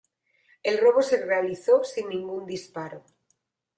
El robo se realizó sin ningún disparo.